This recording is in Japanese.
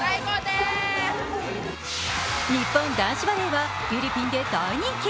日本男子バレーはフィリピンで大人気。